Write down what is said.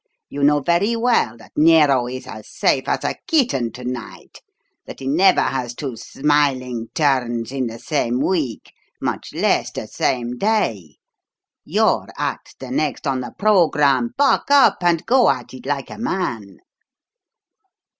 You know very well that Nero is as safe as a kitten to night, that he never has two smiling turns in the same week, much less the same day. Your act's the next on the programme. Buck up and go at it like a man."